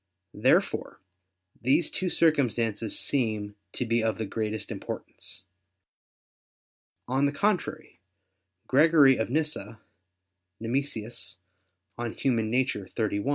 Therefore these two circumstances seem to be of the greatest importance. On the contrary, Gregory of Nyssa [*Nemesius, De Nat. Hom. xxxi.